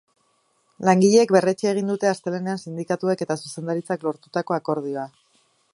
Langileek berretsi egin dute astelehenean sindikatuek eta zuzendaritzak lortutako akordioa.